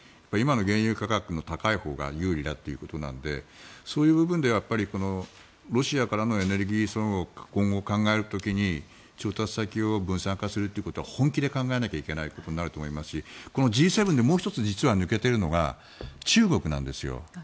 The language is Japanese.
今の原油価格の高いほうが有利だということなのでそういう部分ではロシアからのエネルギーを考える時に調達先を分散化することは本気で考えなきゃいけないことになると思いますしこのＧ７で実はもう１つ抜けているのが中国なんです。